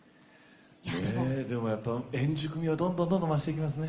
でもやっぱり円熟味がどんどん増していきますね。